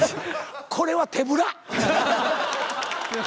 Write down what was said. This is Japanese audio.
これは手ぶら！